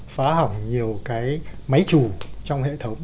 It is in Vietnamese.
phá hỏng nhiều cái máy chủ trong hệ thống